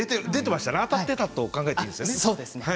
当たっていたと考えていいですね。